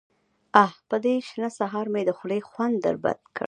_اه! په دې شنه سهار مې د خولې خوند در بد کړ.